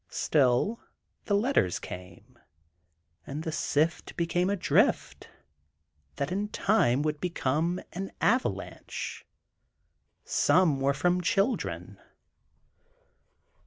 Still, the letters came, and the sift became a drift that in time would become an avalanche. Some were from children.